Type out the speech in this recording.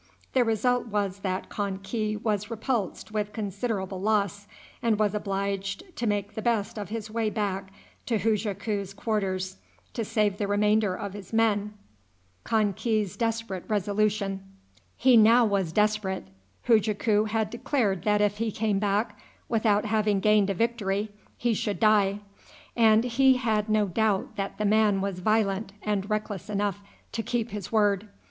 The result was that Kan ki was repulsed with considerable loss, and was obliged to make the best of his way back to Hujaku's quarters to save the remainder of his men. He was now desperate. Hujaku had declared that if he came back without having gained a victory he should die, and he had no doubt that the man was violent and reckless enough to keep his word.